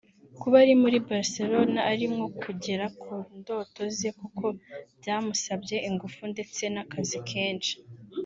kuba ari muri Barcelona ari nko kugera ku ndoto ze kuko byamusabye ingufu ndetse n’akazi kenshi